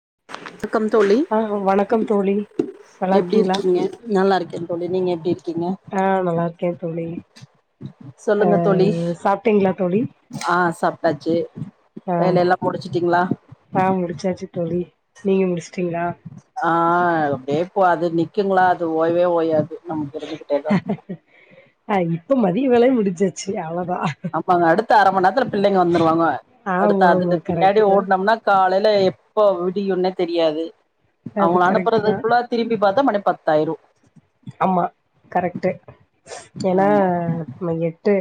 [unintelligible] ணக்கம் தோழி ஆ வணக்கம் தோழி நல்லா எப்பிடி இருக்கீங்களா இருக்கீங்க நல்லா இருக்கே தோழி நீங்க எப்பிடி இருக்கீங்க ஆ நல்லா இருக்கே தோழி ஆ சொல்லுங்க தோழி சாப்ட்டீங்களா தோழி ஆ சாப்ட்டாச்சி ஆ வேல எல்லா முடிச்சிட்டீங்களா ஆ முடிச்சாச்சு தோழி நீங்க முடிச் டீங்களா ஆ அப்பிடியேப் போ அது நிக்குங்களா அது ஓய்வே ஓயாது நமக்கு இருந்துகிட்டேதா இருக் ஆ‌ இப்ப மதிய வேலையு முடிச்சாச்சி ஆமாங்க அடுத் த் அரமநேரத்துல பிள்ளைங்க வந்துருவாங்க அடுத்த ஆமா ஆமா அதுங்க பின்னாடி கரெக்ட் தா ஓடுனோம்னா காலையில எப் இப்போ விடியுனே தெரியாது அது அவுங்கள கரெக்ட் தா அனுப்புறதுக்குள்ள திருப்பி பாத் த்தா மணி பத்தாயிரு ஆமா கரெக்ட் ஏனா ஆமா எட்டு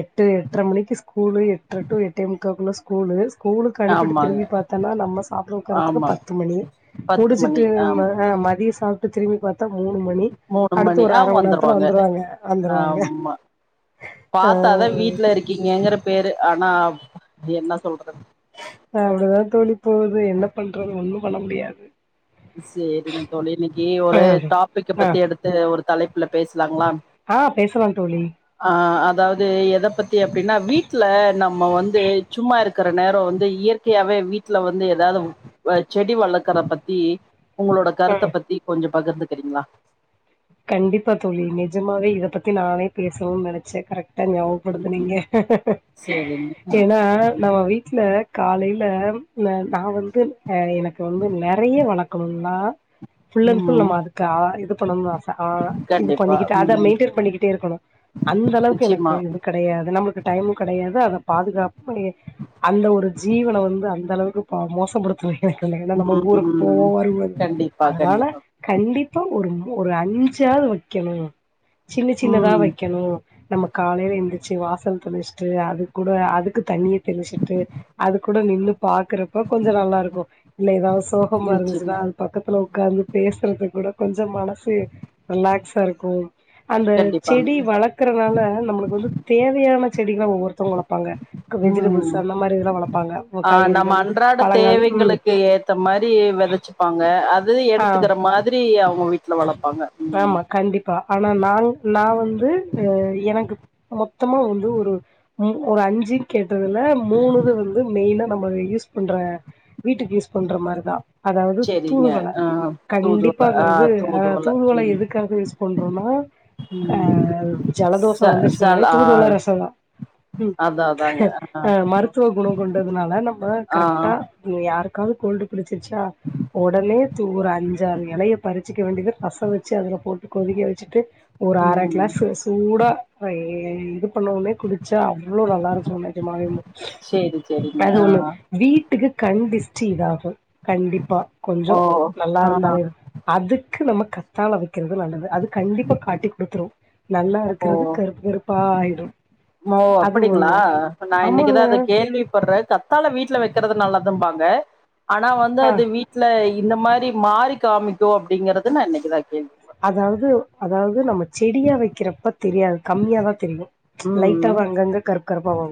எ ட்டு எட்டரை மணிக்கு ஸ்கூலு எட்ற டு எட்டே முக்கக்குள்ள ஸ்கூலு ஸ்கூலுக்கு அனுப்பிட்டு ஆமாங்க திரும்பி பாத்தனா நம்ம சாப்பிட ஒக்கறதுக்கு ஆமாங்க பத்து மணி பத்து மணி முடிச்சிட்டு ஆமா ம அ மதியோ சாப்ப ட் திரும்பி பாத்த மூணு ம மூணு மணி அவுங்க வந்துருவாங்க வந்துருவாங்க ஆமா ஆ பாத்தாதா வீட்டுல இருக்கீங்கங்கற பேரு ஆனா என்ன சொல்றது அப்பிடிதா தோழி போது என்ன பண்ணுறது ஒன்னு பண்ண முடியாது சேரிங்க தோழி இன்னிக்கு ஒரு ஆ டாபிக்க ஆ பத்தி எடுத்து ஒரு தலைப்புல பேசலாங்களா ஆ பேசலா தோழி ஆ அதாவது எத பத்தி அப்பிடின்னா வீட்ல நம்ம வந்து சும்மா இருக்கிற நேரோ வந்து இயற்கையாவே வீட்ல வந்து எதாவது வ செடி வளக்கற பத்தி உங்களோட ஆ கருத்த பத்தி கொஞ்சோ பகிர்ந்துக்கிறீங்களா கண்டிப்பா தோழி நெஜமாவே இத பத்தி நானே பேசணுன் நெனைச்சே கரெக்ட் ட்டா ஞாவப்படுத்தனீங்க சேரிங்க ஏன்னா நம்ம வீட்ல காலையில ந நா வந்து எனக்கு வந்து நெறைய வணக்கம்னா ஃபுல்லன் ஃபுல் ம் நம்ம அதுக்குது ஆ இது பணந்தா ஆஸ் ஆ இது கண்டிப்பா பண்ணிக்கிட்டு அத ம் மெயின்டென் பண்ணிக்கிட்டே இருக்கணு அந்த அளவுக்கு நிச்சயமா எனக்கு இது கெடையாது நம்ளுக்கு டைம் கெடையாது அத பாதுகாப் அந்த ஒரு ஜீவன வந்து அந்த அளவுக்கு ப்பா மோசபடுத்துன எனக்கு என்னாமோ ம் ஊருக்கு ம் போவோ வருவ கண்டிப்பா அதனால கண்டிப்பா கண்டிப்பா ஒரு ஒரு ஏக் முஞ்சாது வைக்கணு சின்ன சின்னதா ம் வைக்கணு நம்ம காலையில எந்து ச்சி வாசல் தெலிசிட்டு அது கூட அதுக்கு தண்ணியே தெலிச்சிட்டு அது கூட நின்னு பாக்குறப்ப கொஞ்சோ நல்லா இருக்கு இல்ல ஏதாவது சோகமா இருந்துச்சினா நிச்சயமா அது பக்கத்துல க்காந்து பேசுறது கூட கொஞ்சோ மனசு ரிலாக்ஸா இருக்கு அந்த கண்டிப்பாங்க செடி வளர்க்கறனால நம்மளுக்கு வந்து தேவையான செடிங்களா ஒவ்வொருத்தகளு வளப்பாங்க வெஜிடபிள்ஸ் ம் அந்த மாரி இதெல்லா வளப்பாங்க ஆ நம்ம காய்கறிகள் அன்றாட பழங்கள் ம் தேவைங்களுக்கு ஏத்த மாரி வெதச்சுப்பாங்க அ து ஆ எடுத்துக்கற மாதிரி அவுங்க வி ஆமா கண்டிப்பா ஆனா நா நா வந்து அ எனக்கு மொத்தமா வந்து ஒரு ஒரு அஞ்சி கே ட்டதுல மூணு இது வந்து மெயினா நம்ம அத யூஸ் பண்ற வீட்டுக்கு யூஸ் பண்ற மாரிதா அதாவது செரிங்க தூதுவல ஆ தூதுவள கண்டிப்பா ஆ வ இது அ தூதுவள ம் எதுக்காக யூஸ் பண்றோன்னா அ ம் ஜலதோச ச வந்துச்சுனாலே சல் ஆ தூதுவள ரசம் தா அதா அதாங்க ஆ மருத்து குணம் கொண்டதுனால நம்ம ஆ கரெக்ட்டா [unintelligible] யாருக்காது கோல்டு குளிர் ச்சா உடனே தூர் அஞ்சாறு இலைய பறிச் ரச வச்சு அதுல போட்டு கொதிக்க வச்சுட்டு ஒரு அர ம் கிளாஸ் ஸ் சூடா ஏ [unintelligible] பண்ண உனே குடிச்சா அவ்வளவு நல்லா இருக்கு நெஜமாவே சேரி சேரிங்க அது ஆ ஒண்ணு வீட்டுக்கு கண் திஷ்ட்டி இதாகு கண்டிப்பா ஓ கொஞ்ச நல்லா ஆ இருந்தாலே க்கு நம்ம கத்தால வக் இரு நல்லது அது கண்டிப்பா காட்டி குடுத்துரு நல்லா ஓ இருக்கிறது கருப்பு கருப்பா டும் ஓ அப்டிங்களா நா ஆமாங்க இன்னைக்குதா அத கேள்வி படுறே கத்தால வீட்ல வக்கறது நல்லாது பா ந்த ஆனா வந்து ஆ அது வீட்லை இந்த மாரி மாறி காமிக்கு அப்டிங்கிறது நா இன்னைக்குதா கேள்வி அதாது அதாது நம்ம செடியா வக்கிறப்பத் தெரியாது கம்மியா தெரியு ம் லைட்டாவ அங்கங்க கருப் கருப்பாவு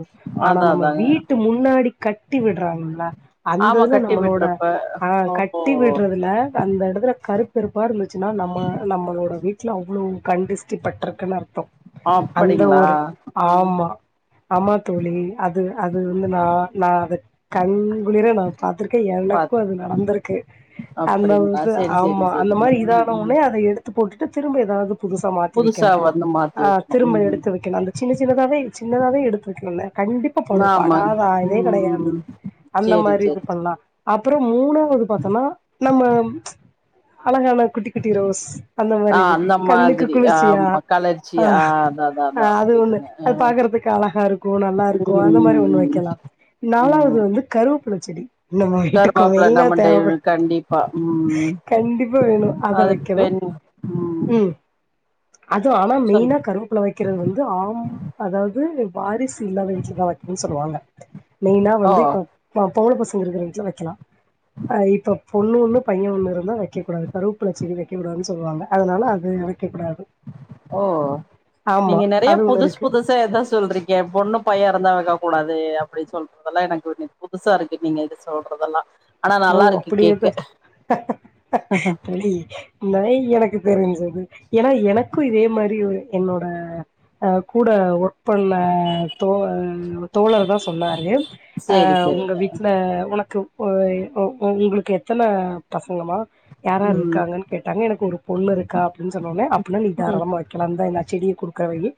ஆனா அதா நம்ம அதாங்க வீட்டு முன்னாடி கட்டி விடுறாங்களா ஆமா அந்ததுல கட்டி நம்மளோட விட்றப்ப ஆ ஓ கட்டி விடுறதுல அந்த இடத்துல கருப்பு கருப்பா இருந்துச்சுன்னா நம்ம நம்மளோட வீட்ல அவ்வளவு கண்திஷ்டி பட்ருக்குன்னு அர்த்த அந்த அப்படிங்களா ஒரு ம் ஆமா ஆமா தோழி அது அது வந்து நா நா அத கண் குளிர நா பாத்திருக்கே எனக்கு பாத் அது நடந்திருக்கு அந்த அப்படிங்களா வ செரி செரி ஆமா அந்த செரிங்க மாரி ம் இதான ம் உனே அத எடு எடுத்து போட் திரும்ப ஏதாது புதுசா மாத்தி புதுசா வக்கணு வந்து மாத்தி ஆ வைக்கணு திரும்ப எடுத்து ம் வக்கணு அந்த சின்ன சின்னதாவே சின்னதாவே எடுத்து வக்கணு கண்டிப்பா படு ஆமாங்க படாத ஆவே கெடையாது ம் அந்த சேரி மாரி இது சேரி பண்ணா அப்பறம் மூணா இப்ப ஒரு பாத்தோம்னா நம்ம அழகான குட்டி குட்டி ரோஸ் அந்த ஆ மாரி இது அந்த கண்ணுக்கு மாதிரி குளிர்ச்சியா ஆமா கலர்ச்சி ஆ அஹ் அதா அதா அதா அது ஒன்னு புரியுதுங்க அது ஆ பாக்குறதுக்கு அழகா இருக்கு‌ நல்லாருக்கு ம் அந்த மாரி ஒன்னு ம் ம் வக்கெலா நாலாவுது ம் வந்து கருவப் புல்லச்செடி நம்ம வீட்டுக்கு கருவாப்புல மெயினா நம்ம டெய் தேவப்படு கண்டிப்பா ம் கண்டிப்பா வேணு‌ அத அது வக்கனு பெண் ம் அது ஆனா சொல் மெயினா கருவேப்புல வக்கிறது வந்து ஆம் அதாவ்து வாரி சு இல்லாத வீட்லதா வக்கினுன் சொல்வாங்க மெயினா ஓ வந்து இப்ப அ பொம்பள பசங்க இருக்குற வீட்ல வக்கெலா அ இப்ப பொண்ணு ஒன்னு பைய ஒன்னு இருந்தா வக்கெகூடாது கருவப்புல்லச்செடி வக்கெகூடாதுன் சொல்வாங்க அதுனால அது எனக் ஓ ஆமா நீங்க நெறைய அது ஒண்ணு புதுசு இருக்கு புதுசா எதா சொல்றீங்க பொண்ணு பைய இருந்தா வக்க கூடாது அப்டின் சொல்றதெல்லா எனக்கு புதுசா இருக்கு நீங்க இது சொல்றதெல்லா ஆனா ஓ நல்லா இருக்கு அப்புடி இருக்க கேக்க தோழி நா எனக்கு தெரிஞ்சது ஏனா எனக்கு இதே மாரி ஒரு என்னோட அ கூட ஒர் க் பண்ண தோ தோழர் தா சொன்னாரு ஆ சேரி உங்க சேரிங்க வீட்ல உனக்கு ஓ எ ஓ உங்ளுக்கு எத்தன பசங்கமா ம் யாரார்ருக்காங்கன் கேட்டாங்க எனக்கு ஒரு பொண்ணு இருக்கா அப்டின் சொன்னோன அப்பிட்னா நீ ம் தாராளமா வக்கலான் தா என்ன செடிய குடுக்குற வையி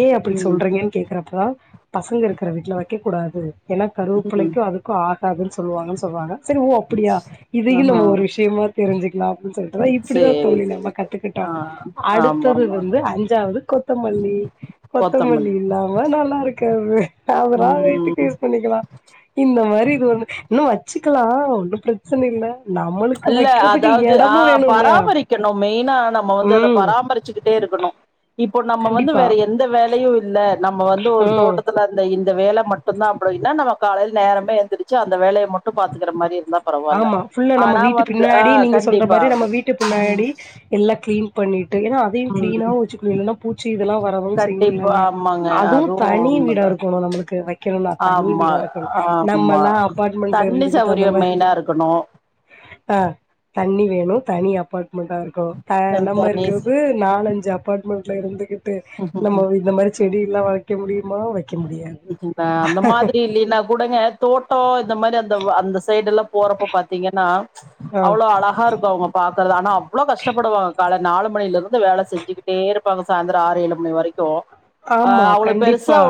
ஏ அப்டி ம் சொல்றீங்கன் கேக்குறப்பதா பசங்க இருக் குற வீட்ல வக்க க்கூடாது ஏனா ம் கருவப்பிலைக்கு அதுக்கு ஆகாதுன் சொல்லுவாங்கன் சொல்லுவாங்க செரி ஓ அப்புடியா இதயு ஆஹா நம்ம ஒரு விஷ்யமா தெரிஞ்சுக்லா அப்டின் சொல்ட்டு தா இப்டிதா சேரி தோழி சேரி நம்ம சேரி கத்துக்கிட்டோ ஆ ஆமா அடுத்தது ஆமா வந்து அஞ்சா வது கொத் தமல்லி கொத்தமல்லி இல்லாம நல்லாருக்காது அதெல்லா வீட்டுக்கு ம் யூஸ் பண்ணிக்கலா இந்த மாரி இது ஒன்னு இன்னு வ க்கலா ஒன்னு பிரச்சனல்ல இல்ல அதாவ்து ஆ வேணுல்ல பராமரிக்கனு மெயினா நம்ம வந்து அத ம் பராமரிச்சுக்கிட்டே இருக்கனு இப் ப நம்ம வந்து கண்டிப்பா வேற எந்த வேலயு இல்ல நம்ம வந்து ஒரு ம் தோட்டத்துல அந்த இந் அந்த வேலை மட்டும்தா அப்படின்னா நம்ம காலைல நேரமே எந்திரிச்சி அந்த வேலைய மட்டு பாத்துக்கிற மாரி இரு இருந்தா பரவால்ல அ நம்ம ஆனா வீட்டு வந்து ஆ பின்னாடி நீங்க சொல்ற கண்டிப்பா மாரி நம்ம வீட்டு ம் பின்னாடி எல்லாம் கிளீன் பண்ணிட் டு ஏன்னா அதையு ம் கிளீனாவு வச்சுக்கணு இல்லைன்னா பூச்சி இதெல்லா வரதா செய்யு கண்டிப்பா இல்லங்க. ஆமாங்க அதுவு தனி வீடா உண்மதா இருக்கணு நம்மளுக்கு வைக்கணுன்னா தனி ஆமா வீடா இருக்கணு நம்ம ஆமா எல்லா அப்பார்ட்மெண்ட்ல தண்ணி இருந்துக்கிட்டு அந்த சௌகரியோ மாரி மெயினா இருக்கணு ஆ தண்ணி வே ணு தனி அபார்ட் மெண்டா இருக்கணு ஆ நம்ம இருக்கிறது தண்ணி நாலஞ்சு அபார்ட்மெண்ட் ல இருந்துக்கிட் டு நம்ம இந்த மாரி செடி எல்லா வை க்க முடி இப்ப அந்த மாதிரி இல்லைனா கூடங்க தோட்டோ இந்த மாரி அந்த அந்த சைடு எல்லா போறப்போ பாத்தீங்கன்னா ஆ அவ்ளோ அழகா இருக்கு அவுங்க பா க்கறது ஆனா அவ்ளோ கஷ்டப்படுவாங்க கால நாலு மணில இருந்து வேல செஞ்சுக்கிட்டே இருப்பாங்க சாயந்தரோ ஆறு ஏழு மணி வரைக்கு ஆமா கண்டிப்பா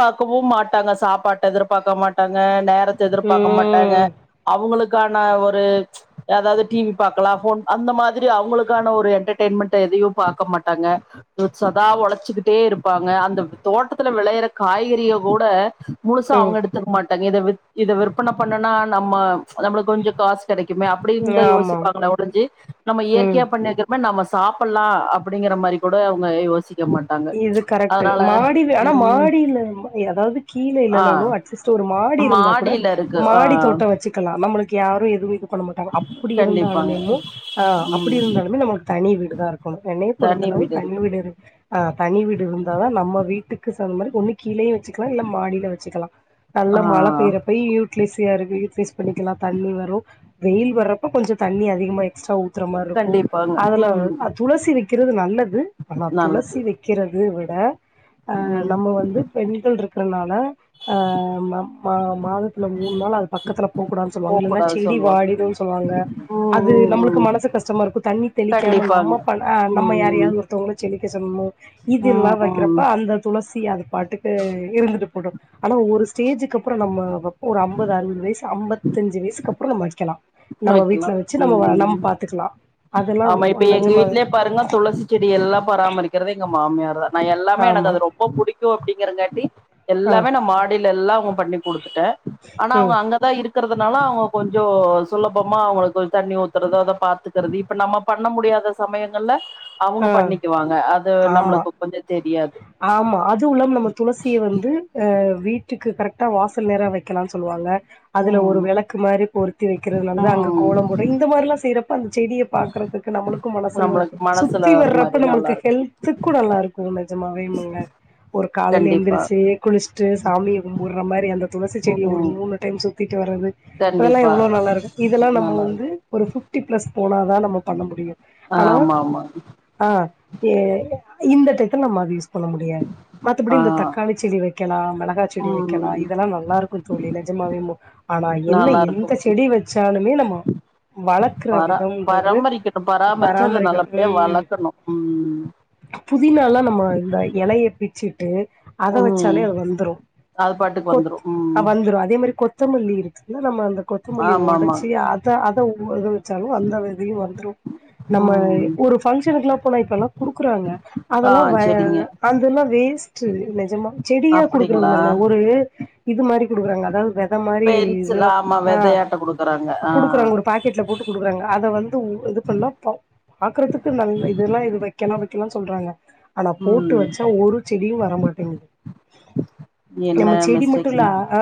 பாக்கவு மாட்டாங்க சாப்பாட்ட எதிர்பாக்க மாட்டாங்க நே ரத்த எதிர்பாக்க மாட்டாங்க ம் அவுங்களுக் கான ஒரு அதாவது டி வி பாக்கலா ஃபோன் அந்த மாதிரி அவுங்களுக்கான ஒரு எண்டர்டைன்மென்ட்டு எதையு பாக்க மாட்டாங்க இது சதா ஒழைச்சிக்கிட்டே இருப்பாங்க அந்த தோட்டத்துல வெளையற காய்கறிய கூட முழுசா ம் அவுங்க எடுத்துக்க மாட் டாங்க இத வித் இத விற்பன பண்ணனா நம்ம நம்மளுக்கு கொஞ்ச காசு கெடைக் குமே அப்பிடின்தா ஆமா. யோசிப்பாங்களே ஒழிஞ்சி நம்ம ம். இயற்கையா பண்ணிருக்கறமே நம்ம சா சாப்பட்லா அப்பிடிங்கிற மாரி கூட அவங்க யோசிக் இது கரெக்ட்டு மாடி வீ ஆனா ம் மாடி இல்ல ம எ அதாவது கீழ ஆ இல்லனாலு அட்லீஸ்ட் ஒரு மாடி இருந்தா கூட மாடியில இருக்கு ஆ மாடி தோட்டோ வச்சுக்கலா நம்மளு க்கு யாரு எதுவு இது பண்ண மாட்டாங்க அப்படி கண்டிப்பாங்க இருந்தாலுமேமு ஆ அப்படி ம் இருந்தாலுமே நம்மளுக்கு தனி வீடுதா இருக்கணு என்னைய தனி பொறுத்தளவு தனி இருக்கு வீடு இரு ஆ தனி வீடு இருந்தாதா நம்ம வீட்டுக்கு சாந்த மாரி ஒன்னு கீழயே வெச்சுக்கலா இல்ல மாடில வெச்சுக்கலா நல்ல ஆ மழ ஆ பெயிறப்பயு இக்லிசியா இருக்கு யு பி எஸ் பண்ணிக்கலா தண்ணி வரு வெயில் வர்றப்ப கொஞ்சோ தண்ணி அதிகமா எக்ஸ்ட்ரா ஊத் ஊத்தர மாரி இருக்கு கண்டிப்பாங்க அதுல ம் ஆ துளசி வெக்கிறது நல்லது ஆனா து நல்லது சி வெக்கிறது து விட ஆ ம் நம்ம வந்து பெண்கள் இருக் இருக்குறனால ஆ மா மா மாதத்துல மூணு நாள் அது பக்கத்துல போக்கூடான் போ சொல்வாங்க இல்லன்னா கூடாது செடி சொல்லுவாங்க வாடிருன் சொல்வாங்க ம் அது ம் நம்மளுக்கு ம் மனசு கஷ்டமா இருக்கு தண்ணி தெளிக்காம கண்டிப்பாங்க நம்ம பன்ன அ நம்ம ம் யாரையாவது ஒருத்தவங்கள செடி கெஜன்மு இது எல்லா ம் ம் வெக்கிறப்ப அந்த துளஸ் சி அது பாட்டுக்கு இருந்துட்டு போட்டு ஆனா ஒரு ஸ்டேஜுக்கு அப்புறோ நம்ம வெப்போ ஒரு ஐம்பது அறுவது வயிசு அம்பத்தஞ்சு வயசுக்கப்புறோ நம்ம வெக்கலா நம்ம வைக்கலா வீட்ல வெச்சு நம்ம நம் ம் பாத்துக்கலா அதெல்லா ஆமா இப்ப எங்க நெஜமா வீட்லயே பாருங்க துளசி செடி எல்லா பராமரிக்கிறது எங்க மாமியார் தா நா எல்லாமே எனக்கு ஆமா அது ரொம்போ புடிக் கு அப்டிங்கறங்காட்டி ஆ எல்லாமே நா மாடில எல்லாமும் பண்ணி குடு த்துட்ட ஆனா அவங்க ம் அங்கதா இருக் இருக்குறதுனால அவங்க கொஞ்சோ சுலபமா அவங்களுக்கு தண்ணி ஊத்துறத அத பாத்து தறது இப்ப நம்ம பண்ண முடியாத சமயங்கள்ல அவங்க ஆ பண்ணிக்குவாங்க அது ஆமா நம்மளுக்கு கொஞ்சோ தெ ஆமா அது உள்ளம் நம்மளுக்கு துளசிய வந்து அ வீட் வீட்டுக்கு கரெக்டா வாசல் நேரா வெக்கலான் சொல்வாங்க அதுல ஒரு ம் வெளக்கு மாரி பொருத்தி வெக்கிறதுனாலது அங்க ம் கோலம் போடுறோ இந்த மாரில்லா செய்யறப்ப அந்த செடிய பாக்குறதுக்கு நம்மளுக்கு மனசு நம்மளுக்கு மனசுல சுத்தி ஒரு மாரி வர்றப்ப நல்லா நம்மளுக்கு இருக்கு ஹெல்த்துக்கு நல்லா இருக்கும்ல நெஜமாவேம்முங்க ஒரு காலையில கண்டிப்பா எழுந்துருச்சு குளுச்சுட்டு சாமிய கும்புர்ற மாரி அந்த துளசி செடிய ஒரு ம் மூணு டைம் சுத் டு வறது அதெல்லா கண்டிப்பா எவ்வளோ நல்லா இருக்கு இதெல்லா நம்ம நல்லா வந்து இருக்கு ஒரு பிஃப்டி பிளெஸ் போனால் தான் நம்ம பண்ண முடியும் ஹலோ ஆமா ஆமா ஆ ஏ இந்தத்துக் என்ன மாதேஷ் பண்ண முடியாது மத்தபடி ஆ இந்த தக்காளி செடி வைக்கலாம் மிளகா செடி வைக்கலாம் ம் இதெல்லாம் நல்லா இருக்கும் தோழி நிஜமாவே இந்த ஆனா என்ன நல்லா இருக்கு எந்த செடி வச்சாலுமே நம்ம வளர்க்குற பரா விதம்ன்றது பராமரிக்கணு பராமரிச்சு அத பராமரிக்க நல்லபடியா ம் வளக்கணு ம் புதினாளா நல்லா இலையை பிச்சு ட்டு அத ம் வச்சாலே அது வந்துரூம் அது பாட்டுக்கு வந்துரு கொத் ம் வந்துரூம் அதே மாரி கொத் தமல்லி இருக்குல நம்ம அந்த கொத்தமல்லி ஆமா ஆமா ஒடச்சி அத அத ம் அது வச்சாலும் வந்த விதையும் வந்துரூம் நம்ம ம் ஒரு பங்க்ஷனுக்கெல்லாம் போன இப்பல்லா குடுக்குறாங்க ஆ ஆ செரிங்க அந்தெல்லாம் வேஸ்ட்டு நெஜமா செடியா குடுக்குறது அப்டிங்களா இல்லங்க ஒரு இது மாரி குடுக்குறாங்க அதாவது இந்த மாரி பென்சில் இதுல ஆமா ஆ வெதையாட்ட குடுக்குறாங்க ஆ குடுக்குறாங்க ஒரு பாக்கெட்ல போட்டு குடுக்குறாங்க அத வந்து இது பண்ணா பாக்குறதுக்கு நல்ல இதெல்லா இது வைக்கலா வைக்கலான்னு சொல்றாங்க ஆனா போட்டு ம் வச்சா ஒரு செடியும் வரமாட்டேங்குது என்ன நம்ம செடி மட்டும் இல்ல மிஸ்டேக்ன்னு ஆ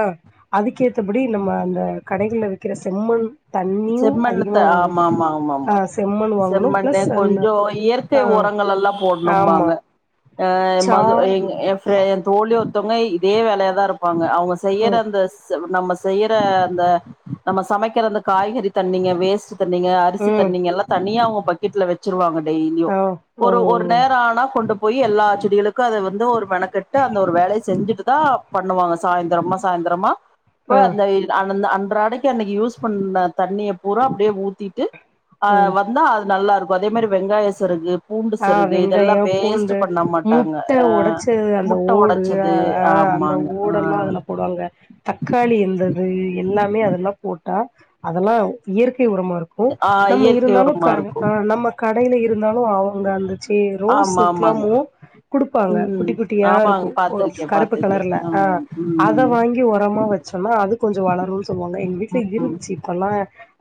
அதுக்கேத்தபடி நம்ம ஆ கடைகள்ல விக்கிற செம்மண் தண்ணியும் அதிகமா செம்மண்ணுத்தை ஓடும் ஆமா ஆமா ஆமா ஆ செம்மண் வாங்கணு செம்மண்லே பிளஸ் அந்த கொஞ்சம் இயற்கை ஆ ஒரங்கள் எல்லாம் ஆமா போடணும்பாங்க அ சா மது ஏ ஏன் ஃப்ரெ ஏன் தோழி ஒருத்தவங்க இதே வேலயா தான் இருப்பாங்க அவுங் செய்யர ம் அந்த நம்ம செய்யற அந்த நம்ம சமைக்கிற அந்த காய்கறி தண்ணிங்க வேஸ்ட்டு தண்ணீங்க அரிசி ம் தண்ணீங்க எல்லாம் தனியா அவுங் பக்கெட்ல வச்சிருவாங்கன் டெய்லியும் ஆ ஓ ஒரு ஒரு நேரம் ஆனா கொண்டு போய் எல்லா செடிகளுக்கு அத வந்து ஒரு மெனக்கெட்டு அந்த ஒரு வேலய செஞ்சுட்டு தா பண்ணுவாங்க சாயிந்துரமா சாயிந்துரமா ஆ போய் அந்த [unintelligible] பிராடெக்டி அன்னைக்கு யூஸ் பண்ண தண்ணிய பூரா அப்டியே ஊத்திட்டு ஆ ம் வந்தா அது நல்லா இருக் இப்ப அதே மாரி வெங்காய சருகு பூண்டு ஆ சருகு இதெல்லா வெங்காயோ வேஸ்ட் பூண்டு பண்ண மாட்டாங்க முட்ட ஆஹ் ஒடச்சது அந்த முட்ட ஓடு ஒடச்சது ஆ அந்த ஆமாங்க ஓடு எல்லா ஆஹ் அதுல போடுவாங்க தக்காளி இந்தது எல்லாமே அதெல்லா போட் டா அதெல்லா இயற் கே உரமா இருக்கு ஆஹ் நம்ம இயற்கை இருந்தாலு உரமா கட ஆ இருக்கும் நம்ம க கடையில இருந்தாலு அவங் கொண்டாந்து ச்சே ஆமா ஆமாங்க ரோஸ்க்குல்லாமு குடுப்பாங்க உம் குட்டி குட்டியா ஆமாங்க இருக்கு பாத்திருக்கே கருப்பு பாத்திருக்கே கலர்ல ஆ ஆஹ் அத உம் வாங்கி ஒரமா வெச்சோன்னா அது கொஞ்சோ வளருன் சொல்வாங்க எங்க வீட்ல உம் இருந்துச்சு இப்பல்லா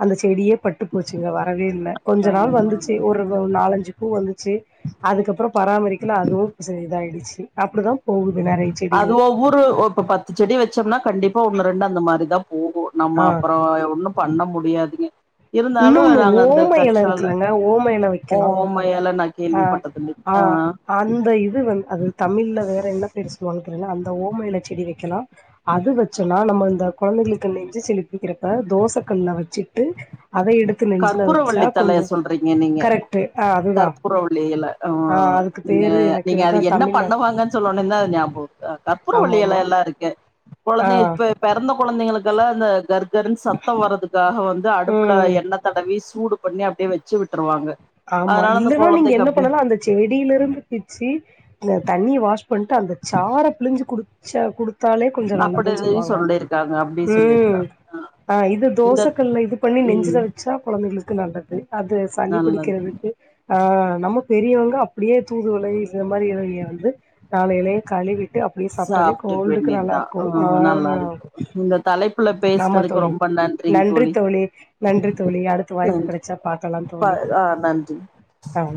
அந்த செடியே பட்டு போச்சுங்க வரவே இல்ல கொஞ்ச நாள் ஆமா வந்துச்சு ஆமா ஒரு நாலஞ்சு பூ வந்து ச்சு அதுக்கப்புற பராமரிக்கல அதுவும் செ இதாயிடுச்சு அப்டிதாம் அது ஒவ்வொரு இப்ப பத்து செடி வெச்சம்னா கண்டிப்பா ஒன்னு ரெண்டு அந்த மாரிதாப் போகு நம்ம ஆ அப்புறோ ஒண்ணும் பண்ண மு முடியாதுங்க இருந்தாலு இன்னோன்னு நாங்க அந்த ஓம எல கற்றால இருக்குலங்க ஓம எல வெக்கலா ஓம எல நா அ கேள்விப்பட்டதில்லை ஆ ஆஹ் அந்த இது வந் அது தமிழ்ல வேற என்ன பேர் பேர் சொல்லுவாங்க தெரியுங்களா அந்த ஓம எலை செடி வொக்கலா அது வெச்சொன்னா நம்ம இந்த கொழந்தைகளுக்கு நெஞ்சு சளி புடிக்குறப்ப தோச கல்ல வச்சுட்டு அத எடுத்து நெஞ்சுல வெச்சா கற்பூரவள்ளி தழைய கொஞ்சோ கரெக்ட்டு அதுதா வள்ளி எல அ ஆ அதுக்கு நீங்க பேரு எனக்கு நீங்க அதா அது என்ன தமிழ்ல பண்ணுவாங்கன் சொன்னோனதா அது ஞாபகோ வருது கற்பூரவள்ளி ஆமாமா எலையெல்லா இருக்கு ஆ கொழந்தைக இப்ப பெறந் கொழந்தைங்களுக்கெல்லா அந்த கர்ப் கர்னு சத்தோ வரதுக் க்காக வந்து அடுப்புல ம் எண்ணத் டவி சூடு பண்ணி அப்டியே வெச்சு விட்டுருவாங்க ஆமா அதனால அந்த இல்லன்னா நீங்க கொழந்தைக்கு என்ன அப்டி பண்ணலாம் அந்த செடில இருந்து பிச்சு இந்த தண்ணி வாஷ் பண்ணிட்டு அந்த சார பிழிஞ்சு குடு ஷா குடுத் தாலே கொஞ்ச நல்லதுன் அப்டி சொல்லுவாங்க சொல்லிருக்காங்க அப்டி ம் சொல்லிருக்காங்க ஆ இது இந்த தோசகல்ல இது பண்ணி நெஞ்சுல ம் வச்சா கொழந்தைகளுக்கு நல்லது அது சளி நல்லது புடிக்கிறதுக்கு ஆ நமக் பெரியவங்க அப்டியே தூதுவளை இந்த மாரி எலைய வந்து நாலு எலைய கழிவிட் ட்டு அப்டியே சாப்டாலே சாப்ட்டுக்க கோல்டுக்கு வேண்டியதுதா ஆ நல்லாருக்கும் நல்லா ஆ இருக்கு இந்த தலைப்புல ஆமா பேசுனதுக்கு தோழி ரொம்ப நன்றிங் நன்றி தோழி நன்றி தோழி அடுத்த வாய்ப்பு நன்றி கெடைச்சா பாக்கலாம் ப தோழி ஆ நன்றி ஆ.